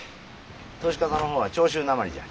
年嵩の方は長州訛りじゃ。